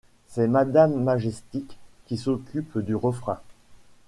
C'est Madame Majestic qui s'occupe du refrain.